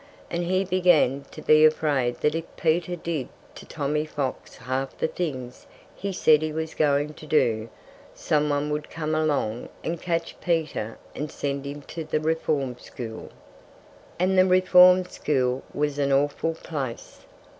And he began to be afraid that if Peter did to Tommy Fox half the things he said he was going to do, some one would come along and catch Peter and send him to the Reform School. And the Reform School was an awful place!